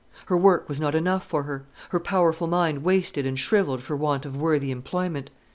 Her work was not enough for her. Her powerful mind wasted and shrivelled for want of worthy employment.